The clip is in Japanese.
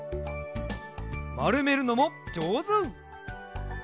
まるめるのもじょうず！